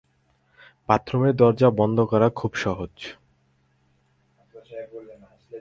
বাথরুমের দরজা বন্ধ করা খুব সহজ।